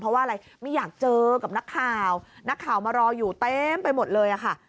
เพราะว่าอะไรไม่อยากเจอกับนักข่าวนักข่าวมารออยู่เต็มไปหมดเลยค่ะ